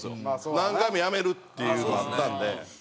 何回も辞めるっていうのあったんで。